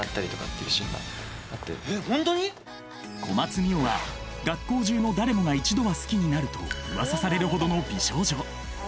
小松澪は学校中の誰もが一度は好きになるとうわさされるほどの美少女。